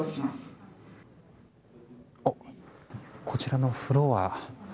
こちらのフロア